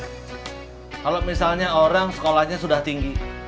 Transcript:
kalau misalnya orang sekolahnya sudah tinggi